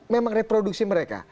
memang reproduksi mereka